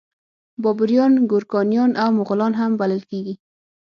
بابریان ګورکانیان او مغولان هم بلل کیږي.